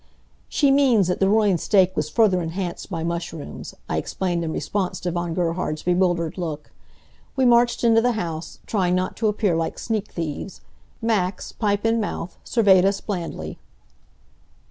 "She means that the ruined steak was further enhanced by mushrooms," I explained in response to Von Gerhard's bewildered look. We marched into the house, trying not to appear like sneak thieves. Max, pipe in mouth, surveyed us blandly.